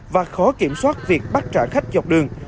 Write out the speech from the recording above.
và khó kiểm soát việc bắt trả khách dọc đường